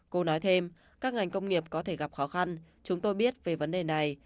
cô nói thêm các ngành công nghiệp có thể gặp khó khăn chúng tôi biết về vấn đề này